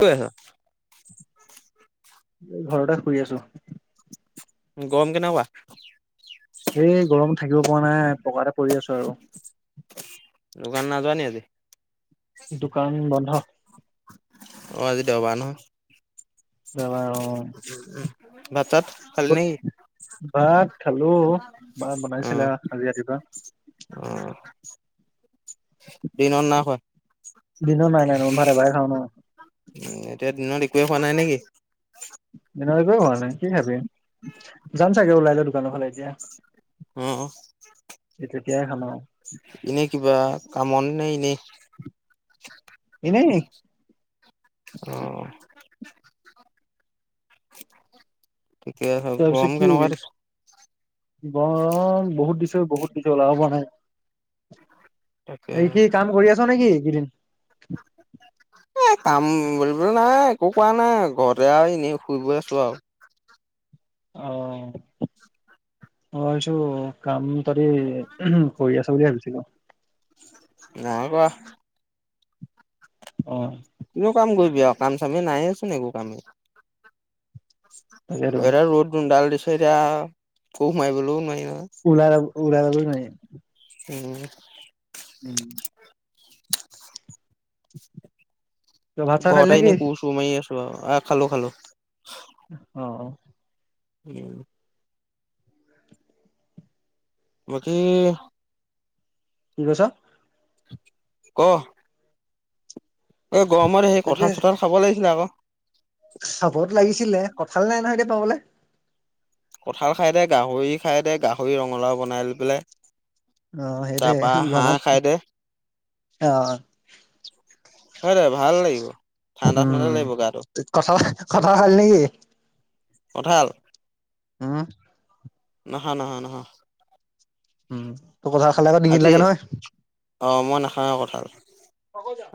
কি কৰি ঘৰতে শুই আছো গৰম কেনেকুৱা হুৱা নাই পকাটে‌ পৰি আছো আৰু দোকান নাই যোৱা নেকি আজি? দোকান বন্ধ অ আজি দেওবাৰ নহয় দেওবাৰ অ। উ ভাত চাত খালি নেকি? ভাত খালো মাত অ বনাইছিলে আাজি ৰাতিপুৱা অ দিনত নাই খোৱা দিনত নাই নাই ভাত এবাৰ খাও ন উ এতিয়া দিনত একোৱে খোৱা নাই নেকি? এক হোৱা নাই কি খাবি যাম চাগে ওলাই ল দোকানৰ ফালে এতিয়া উ তেতিয়াই খাম আৰু এনে কিবা কামত নে- এনেই- এনেই অ ঠিকে আছে গৰম কেনেকুৱা ব বহুত দিছো বহুত দিছো ওলাব পৰা নাই তাকে এই কি কাম কৰি আছ নেকি কেইদিন এই কাম কৰিবলৈ নাই একো কোৱা নাই ঘৰতে আৰু এনেই শুই ব আছো আৰু অ মই এইছো কাম তহতি কৰি আছ কৰি আছিলি ভাবিছিলোঁ নাই কৰা অ কিনো কাম কৰিবি আৰু কাম চাম নাইচোন একো কামেই তাকেতো এ ৰ'দ ডাল দিছে এতিয়া কো সোমাই বলৈও নোৱাৰি ন উলাইৰা যাব নোৱাৰি উম উম [inaudible] চাত খালি ঘৰতে নেকি? এনেই কোচো মাৰি আছো আৰু আহ খালো খালো। অ! উম। বাকী? কি কৈছা? ক? এই গৰমত সেই কঁঠাল চঠাল খাব লাগিছিলে আকৌ। চাবতো লাগিছিলে কঁঠাল নাই নহয় এতিয়া পাবলৈ। কঁঠাল খাইদে গাহৰি খাইদে গাহৰি ৰঙালাও বনাই পেলাই। আহ তাৰ সেইটোয়ে পৰা হাঁহ গমত খাই দে অ। খাই দে ভাল লাগিব। ঠাণ্ডা ঠাণ্ডা উম লাগিব গাটো কঁঠাল কঁঠাল খালি নেকি? কঠাল? হম। নহা নহা নহয়। উম তোৰ কঁঠাল খালে আকৌ ডিঙিত লাগে নহয়। অ মই নাখাওঁ কঁঠাল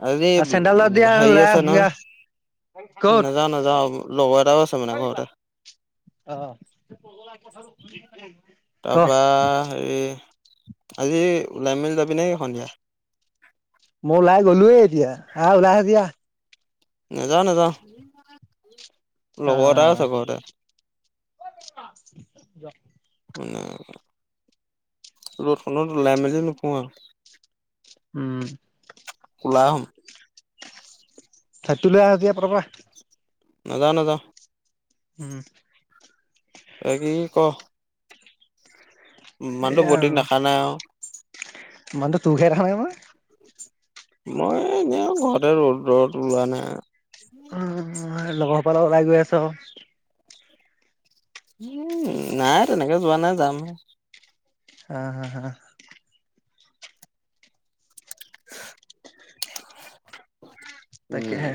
আজি চেণ্ডেল দিয়া হেৰি লৈ আছে নহয় আহোগে। কত? নাযাওঁ নাযাওঁ লগৰ এটাও আছে মানে ঘৰতে আহ। তাৰপৰা হেৰি। আজি লাইন মিল যাবি নে সন্ধিয়া? মই ওলাই গ'লোৱে এতিয়া আহ ওলাই আহ দিয়া। নেযাওঁ নাযাওঁ লগৰ এটা আছে ঘৰতে। যোৱা। ৰ'দখনত ওলাই মেলি নুফুৰো আৰু। উম! উলাম। ছাতি লৈ আহ দিয়া পতাপত আহ। নাযাও নাযাও। উম। বাকি ক? মানুহটো এয়া বহুত আৰু দিন দেখা নাই আৰু। মানুহটো তোক হে দেখা নাই মই। মই এনে ঘৰতে ৰ'দ ৰ'দ ওলোৱা নাই। অ লগৰ সোপা লগত ওলাই গৈ আছোঁ আৰু। উম নাই তেনেকে যোৱা নাই যাম। হ হা হা! তাকে হে।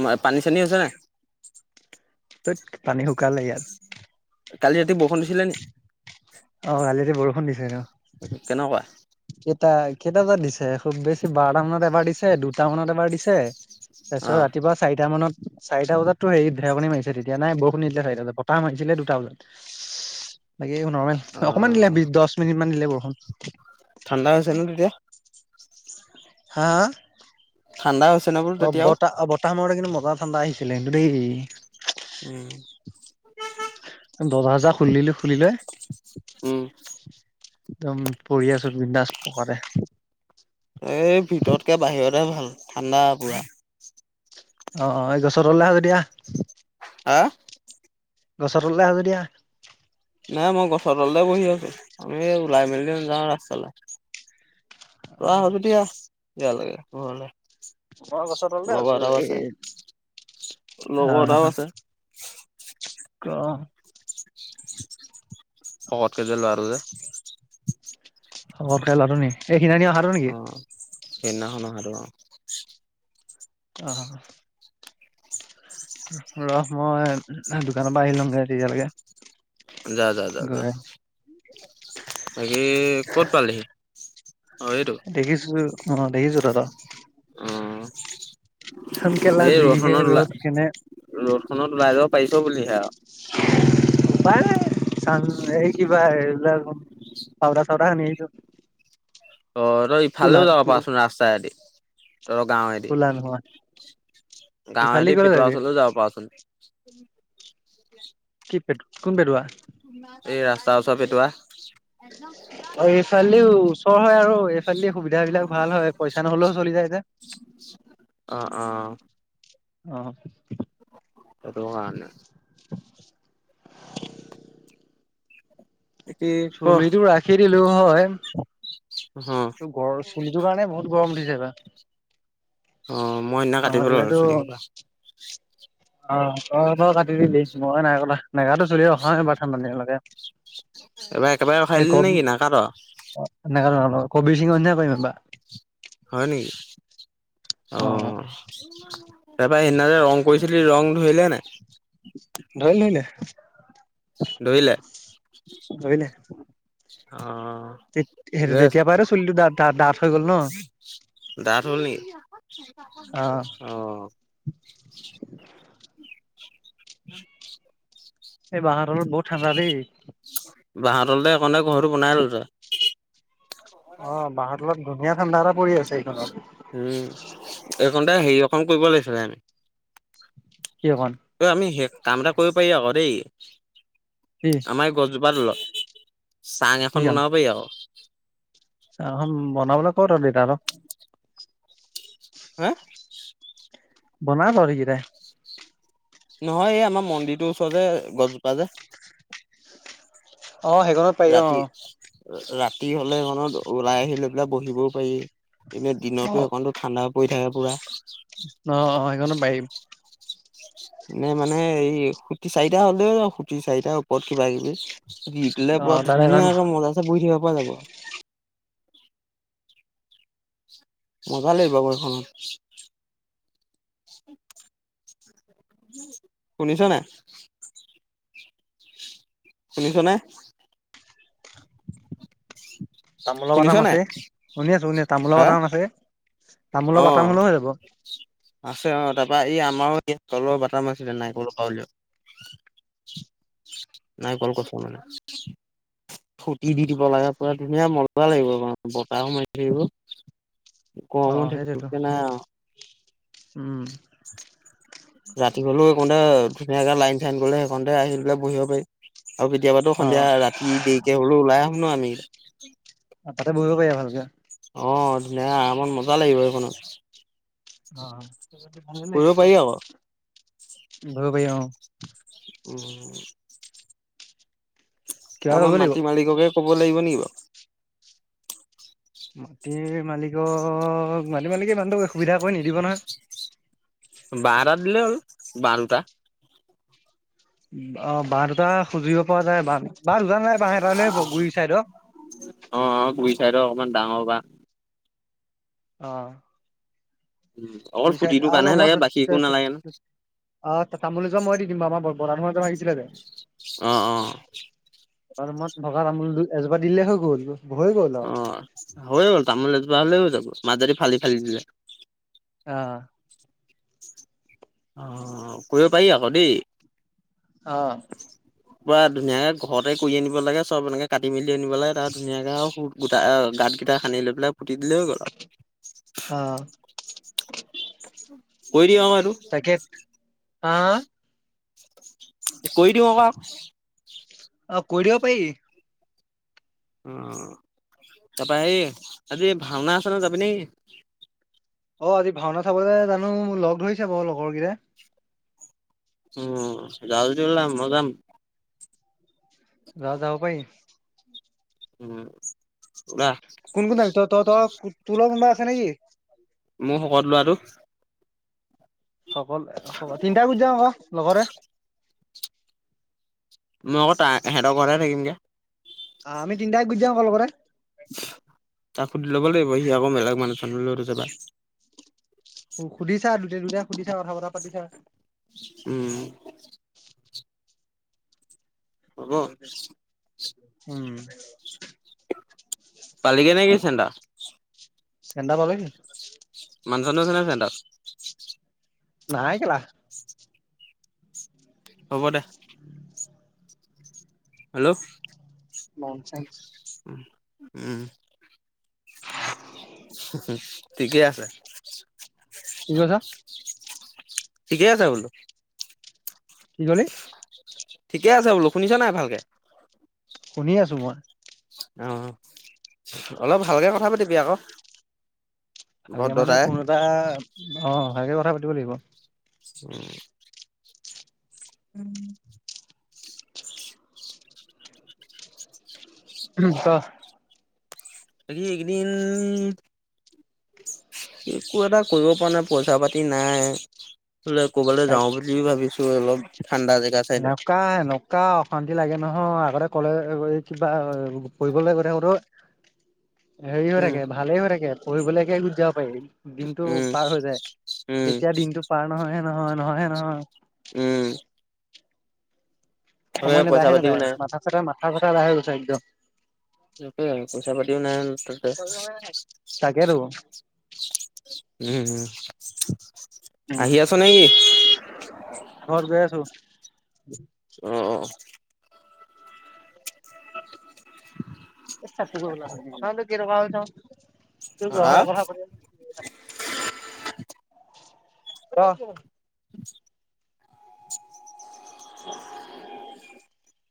ম পানী চানী আছে নাই? থেত পানী শুকালে ইয়াত। কালি ৰাতি বৰষুণ দিছিলে নি? অ কালিটো বৰষুণ দিছে ন। এই কেনেকুৱা? কেইটা কেইটা বজাত দিছে খুব বেছি বাৰ মান বজাত দিছ দুটা মানত এবাৰ দিছে, অ। তাৰপিছত ৰাতিপুৱা চাৰিটা মানত চাৰিটা বজাটো হেৰি ঢেৰেকনি মাৰিছে তেতিয়া নাই বৰষুণ নিদিলে চাৰিটা বজাত বতাহ মাৰিছিলে দুটা বজাত ইচ। বাকী নৰ্মেল অ অকণমান দিলে দশ মিনিটমান দিলে বৰষুণ। ঠাণ্ডা আছে ন তেতিয়া? হা? ঠাণ্ডা হৈছে নে বোলো অ তেতিয়াও বতা -বতাহ মাৰোতে কিন্তু মজা ঠাণ্ডা আহিছিল। লাগিব দেই। উম। দহ হাজাৰ খুলিলো খুলিলে। উম। একদম পৰি আছো বিদাচ পকাতে। এই ভিতৰতকে বাহিৰতেই ভাল ঠাণ্ডা পুৰা। অঁ এই গছৰতলে আহো দিয়া। আহ! গছৰ তলে আহ যদি আহ। নাই মই গছৰ তলতে বহি আছো, আমি ওলাই মেলি যাওঁ ৰাস্তালৈ। তয় আহে যদি আহ ইয়ালে ঘৰলে। মই গছৰ তললে লগৰ আছো এটাও এ। আছে লগৰ এটাও আছে। ক? শকত কে ল'ৰাটো যে। শকতকে লৰাটো নি এইদিনাখনি অহাটো নেকি? অ। সেইদিনাখন অহাটো অ। অ। ৰ মই দোকানৰ পৰা আহি লমগে তেতিয়ালৈকে। যা যা যা যা। গৈ বাকি ক'ত পালেহি? দেখিছো অ দেখিছো দাদা। উম। কেলা এই যিহে ৰদখনত ৰ'দ ওলাই, কেনে ৰ'দখনত ওলাই যাব পাৰিছ বুলিহে আও। পাই চান এই কিবা এইবিলাক। পাওদা চাওদা হানি আহিছো। অ ৰই কোলা ইফালেও যাব পাৰাচোন ৰাস্তাইদি। ত গাঁৱ এদি কোলা নহয় গাঁৱ ইফালে এদি দি ক'লে পটোৱা যাবি ওচৰলৈও যাব পৰাাৰচোন। উ [unintelligible] কি পেত কোন পেডোৱা? এই ৰাস্তাওচৰ পটোৱা। একদম চুদৰ। অ' এইফালেদি ওচৰ হয় আৰু এইফালেদি সুবিধা বিলাক ভাল হয় পইচা নহ'লেও চলি যায় যে অ অ। অ। সেইটো কাৰণে। [unintelligible] বাকী ক'। চুলিতটো ৰাখি দিলো হয়। অ' ত গৰ চুলিটোৰ কাৰণে বহুত গৰম উঠিছে এইবাৰ। অঁ মই সেইদিনা কাটিব লো আৰু চুলি নহ'লেতো কৰপা। অ তই তই কাটি দিবি মই নাই কথা নেকাটো চুলি ৰখাত এইবাৰ ধান মানু লকে। এইবাৰ একেবাৰে ৰখাই দিলি নেকি নাকাট। নেগা কবিৰ সিং কৰিম এইবা। হয় নেকি অ অ অহ। তাৰ পৰাৰা সেইদিতে ৰং কৰিছিলি ৰং ধৰিলে নাই। ধৰিলে ধৰিলে। ধৰিলে। অহ। তে হেৰি তেতিয়া পায়ে চুলিটো ডা ডাঠ ডাঠ হৈ গ'ল ন। ডাত হ'ল নেকি অ অহ। উম [unintelligible] এই বাঁহৰ তলত বহুত ঠাণ্ডা দেই। বাহহৰতে একণে গহৰটো বনাই লল তয়। অ বাহৰ তলত ধুনীয়া ঠাণ্ডা এটা পৰি আছে এইখনত। উম এইকণতে হেৰি অকণ কৰিব লাগিছিলে। কি অকণ ত আমি সেই কাম এটা কৰিব পাৰি আকৌ দেই। কি আমাৰ এই গছপাৰ তলত চাং কি এখন কাম বনাব পাৰি আকৌ। বনাবলৈ কত দিব আৰু। হা? বনা তহটি কেইটাই। নহয় এই আমাৰ মন্দিৰটোৰ ওচৰতে গছজোপা যে। অ সেইখনত পাৰি অ। ৰাতি ৰাতি হলে সেইখনত ওলাই আহি লৈ পেলাই বহিবও পাৰি এনে অ দিনতো সেইখনত ঠাণ্ডা পৰি থাকে পুৰা। অ অ সেইখনো পাৰিম। এনে মানে এই খোটি চাৰিটা হ'লেও আৰু খোটি চাৰিটাৰ ওপৰত কিবা কিবি। দিলে অ পুৰা তাত এখন ধুনীয়াকে মজাছে বহি থাকিব পৰা যাব। মজা লাগিব বহি সেইখনত। শুনিছ নাই? শুনিছনে? তামোলৰ শুনিছ পাটাম নাই আছে শুনি আছো শুনি আছো তামোলৰ হা পাটাম আছে তামোলৰ অ বাটাম হলেও হৈ যাব আছে অ তাৰপা ই আমাৰো ই তলৰ বাতাম আছিলে নাইকল বাকলিও। নাই গছ খোটি দি দিব লাগে পুৰা ধুনীয়া মজা লাগিব বতাহও মাৰি থাকিব। অ গৰম উঠছে সেইটোৱেতো উপাই নাই ৰো। উম। ৰাতি হলেও তাতে ধুনীয়াকে লাইন চাইন গলে সেইখনতে আহি পেলাই বহিব পাৰি। আৰু কেতিয়াবাতো অ সন্ধিয়া ৰাতি দেৰিকে হলেও ওলাই আহো ন আমি। তাতে বহিব পাৰিব ভালকে। আহ ধুনীয়া আৰামত মজা লাগিব সেইখনত। অ ভালেই কৰিব পাৰি আকৌ লাগিব। উম। কিবা এটা আমাৰ কৰিব লাগিব মাটি মালিককে কব লাগিব নেকি বাৰু? মাটিৰ মালিকক মাটিৰ মালিকে ইমানটো সুবিধা কৰি নিদিব নহয়। বাঁহ এটা দিলেই হ'ল বাঁহ দুটা। অ বাঁহ দুটা সুজিব পৰা যায় বাঁহ দুটা নালাগে বাঁহ এটা দিলেই হ'ব গুৰি চাইদৰ। হলেও অকমান ডাঙৰ বাঁহ। অ অকল গুৰি চাই খুটিটোৰ কাৰণেহে লাগে বাকী একো নালাগে ন অ তামোল এজোপা মই দিম বাৰু আমাৰ বতাহত ভাগিছিলে যে। অঁ অঁ! ৰুমত ভগা তামোল এজোপা দিলেই হৈ গ'ল। হৈ গ'ল আৰু অ হৈ গ'ল তামোল এজোপা হলেও হৈ যাব মাজদি ফালি ফালি দিলে অ! অ কৰিব পাৰি আকৌ দেই। অ! পুৰা ধুনীয়াকে ঘৰতে কৰি আনিব লাগে চব এনেকে কাটি মেলি আনিব লাগে তাৰ ধুনীয়াকে আৰু খোটা গাঁতকেইটা খানি লৈ পেলাই পুতি দিলেই হৈ গ'ল আৰু। আহ! কৰি দিয়ো আৰু এইটো। হা? কৈ দিওঁ ক। অ কৰি দিব পাৰি। অ তাৰপৰা এই তহঁতি আজি ভাওনা চাব যাবি নেকি? অ আজি ভাওনা চাবলৈ জানো লগ ধৰিছে বাৰু লগৰ কেইটাই। উম যাও যদি উলা মই যাম। য যাব পাৰি। উম বা! কোন কোন হাবি ত ত তোৰ লগত কোনোবা আছে নেকি। মোৰ শকত কৰাটো। হব হব তিনটা গুচি যাাম আকৌ লগতে। মই আকৌ সিহঁতৰ ঘৰত থাকিমগে। আহ আমি তিনিটাই গুজি যাম আকে লগত এ। তাক সুধি ল'ব লাগিব সি আকৌ বেলেগ মানুহৰ লগত যাবা সুধিছা জুনে যায় সুধিছা কথা বতা পাতিছা। উম! [inaudible] হব। উম! পালি কেনে কি চেন্টাৰ। চেন্টাৰ পালিগে নেকি? মানুহ চানুহ আছে নাই চেন্টাৰত? নাই কেলা। হ'ব দে। হেল্লৰ! নন্সেন। উম! ঠিকেই আছে। কি কৈছ? ঠিকেই আছে বোলো। কি কলি? ঠিকে আছে বোলো শুনিছা নাই ভালকে? শুনি আছো মই। অ অলপ ভালকে কথা পাতিবি আকৌ। ভালকে মানে ভদ্ৰতাই ফোন এটা অ ভালকে কথা পাতিব লাগিব। উম! [inaudible] উম! [inaudible] উম ক বাকি এইকেইদিন একো এটা কৰিব পৰা নাই পইচা পাতি নাই। ফুৰিবলে কবালৈ তাইক যাওঁ বুলি ভাবিছো অলপ ঠাণ্ডা জেগা চাইডে। এনেকুৱা এনেকুৱা অশান্তি লাগে নহয় কলে কিবা পঢ়বলৈ গৈ থাকোতে হেৰি হৈ উম থাকে ভালে হৈ থাকে পঢ়িবলৈকে গুচি যাও। দিনটো উম পাৰ হৈ যায় উম তেতিয়া দিনটো পাৰ নহয়ে নহয় নহয়ে নহয়। উম! তাকে সময় পইচা নাযায়হে পাতিও নাযায় নাই মাথা চাথা মাথা বেয়া হৈ গৈছে একদম। পইচা পাতিও নাই তাতে। তাকেতো উম! উম আহি আছ নেকি? ঘৰত গৈ আছো অ অ! অ! এষ্ট আ গল আহ [unintelligible] [unintelligible] অহ [unintelligible]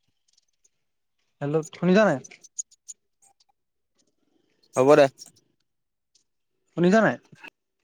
হেল্ল' শুনিছা নাই হ'ব দে শুনিছা নাই